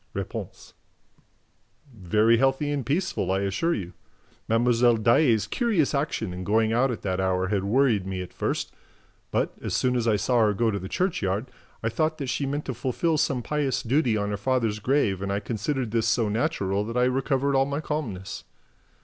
R. "Very healthy and peaceful, I assure you. Mlle. Daae's curious action in going out at that hour had worried me at first; but, as soon as I saw her go to the churchyard, I thought that she meant to fulfil some pious duty on her father's grave and I considered this so natural that I recovered all my calmness.